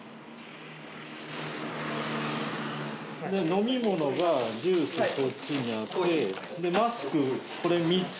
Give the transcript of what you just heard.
飲み物が、ジュース、そっちにあって。